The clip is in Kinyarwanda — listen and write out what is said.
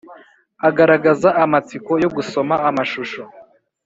aragagaza amatsiko yo gusoma amashusho